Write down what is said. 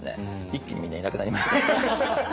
一気にみんないなくなりまして。